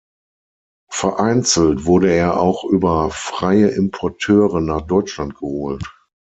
Vereinzelt wurde er auch über freie Importeure nach Deutschland geholt.